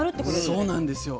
そうなんですよ。